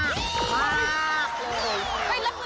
มากเลย